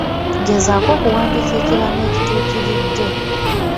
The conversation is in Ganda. Gezaako okuwandiika ekiraamo ekituukiridde.